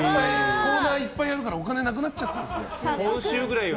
コーナーいっぱいあるからお金なくなっちゃったんですよ。